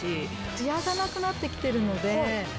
ツヤがなくなってきてるので。